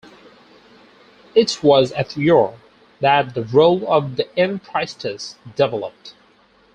It was at Ur that the role of the En Priestess developed.